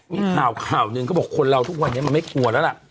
มีข่าวข่าวหนึ่งเขาบอกคนเราทุกวันนี้มันไม่กลัวแล้วล่ะ